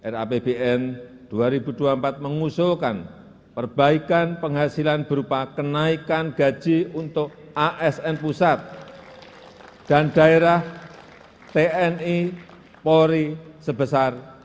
rapbn dua ribu dua puluh empat mengusulkan perbaikan penghasilan berupa kenaikan gaji untuk asn pusat dan daerah tni polri sebesar